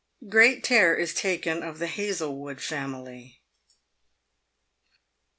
GREAT CARE IS TAKEN OP THE HAZLEWOOD FAMILY.